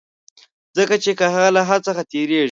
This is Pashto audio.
ځکه چي که هغه له حد څخه تېری.